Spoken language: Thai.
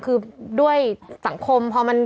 คือด้วยสังคมพอมัน